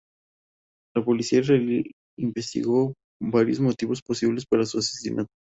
La policía israelí investigó varios motivos posibles para su asesinato.